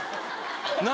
何？